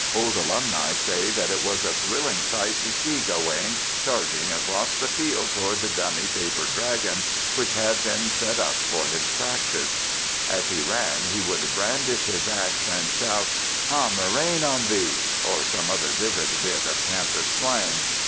Old alumni say that it was a thrilling sight to see Gawaine charging across the field toward the dummy paper dragon which had been set up for his practice. As he ran he would brandish his ax and shout "A murrain on thee!" or some other vivid bit of campus slang.